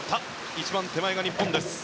１番手前が日本です。